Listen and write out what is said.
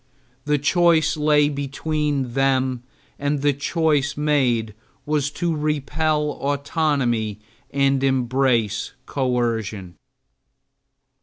The choice lay between them, and the choice made was to repel autonomy and embrace coercion.